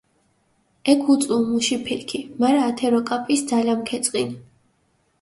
ექ უწუუ მუში ფირქი, მარა ათე როკაპისჷ ძალამქჷ ეწყინჷ.